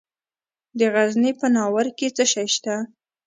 د غزني په ناوور کې څه شی شته؟